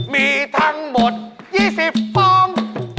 มีทั้งหมด๒๐ฟอง